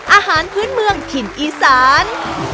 อาหารพื้นเมืองถิ่นอีสาน